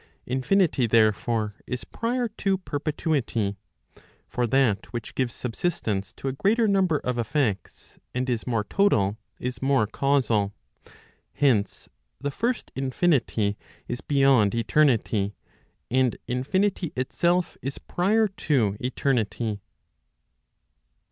Infinity therefore, is prior to perpetuity. For that which gives subsistence to a greater number of effects, and is more total, is more causal. Hence, the first infinity is beyond eternity, and infinity itself is prior to eternity.